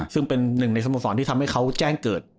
ซึ่งเป็นหนึ่งในสโมสรที่ทำให้เขาแจ้งเกิด